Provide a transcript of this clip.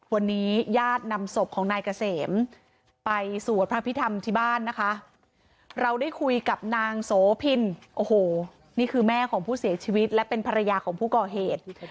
วันนี้ญาตินำศพของนายเกษมไปสวดพระพิธรรมที่บ้านนะคะเราได้คุยกับนางโสพินโอ้โหนี่คือแม่ของผู้เสียชีวิตและเป็นภรรยาของผู้ก่อเหตุ